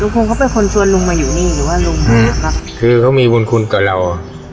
คงเขาเป็นคนชวนลุงมาอยู่นี่หรือว่าลุงคนนี้ครับคือเขามีบุญคุณกับเรา